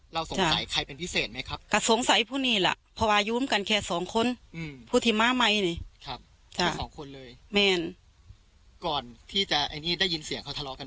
เราสงสัยใครเป็นพิเศษไหมครับแต่สงสัยผู้เนี้ยเหล้า